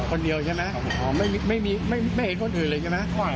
คนเดียวใช่ไหมไม่มีไม่มีคนอื่นเลยใช่ไหม